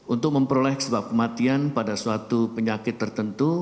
untuk memperoleh sebab kematian pada suatu penyakit tertentu